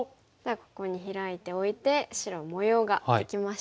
ここにヒラいておいて白は模様ができましたね。